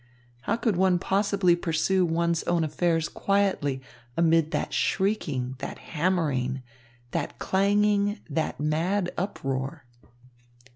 How could one possibly pursue one's own affairs quietly amid that shrieking, that hammering, that clanging, that mad uproar?